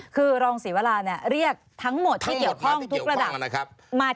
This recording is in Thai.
คือรองศรีวราเรียกทั้งหมดที่เกี่ยวข้องทุกระดับนะครับ